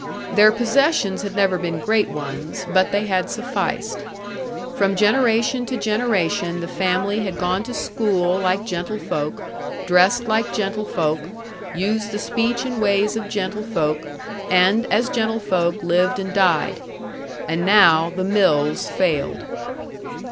Their possessions had never been great ones; but they had sufficed. From generation to generation the family had gone to school like gentlefolk, dressed like gentlefolk, used the speech and ways of gentlefolk, and as gentlefolk lived and died. And now the mills failed.